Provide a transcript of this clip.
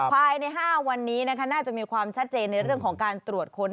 ภายใน๕วันนี้น่าจะมีความชัดเจนในเรื่องของการตรวจค้น